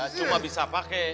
cuma bisa pakai